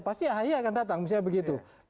pasti ahy akan datang misalnya begitu